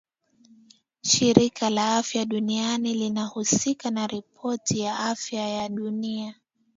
Shirika la afya duniani linahusika na ripoti ya afya ya dunia